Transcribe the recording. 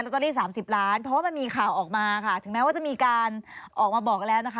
เตอรี่สามสิบล้านเพราะว่ามันมีข่าวออกมาค่ะถึงแม้ว่าจะมีการออกมาบอกแล้วนะคะ